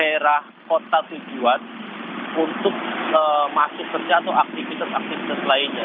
daerah kota tujuan untuk masuk kerja atau aktivitas aktivitas lainnya